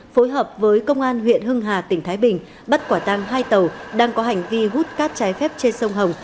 phối hợp với công an huyện hưng hà tỉnh thái bình bắt quả tang hai tàu đang có hành vi hút cát trái phép trên sông hồng